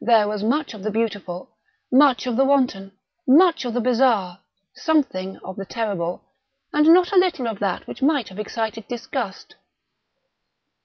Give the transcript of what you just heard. There was much of the beautiful, much of the wanton, much of the bizarre, something of the terrible, and not a little of that which might have excited disgust.